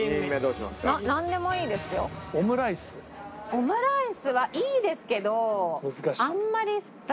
オムライスはいいですけどあんまり私。